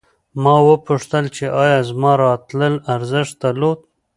ما وپوښتل چې ایا زما راتلل ارزښت درلود